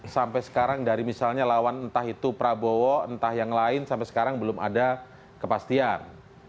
sampai sekarang dari misalnya lawan entah itu prabowo entah yang lain sampai sekarang belum ada kepastian